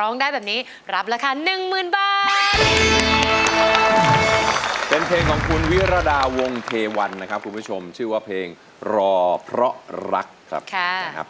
ร้องได้ครับ